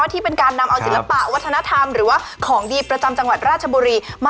ที่เป็นการนำเอาศิลปะวัฒนธรรม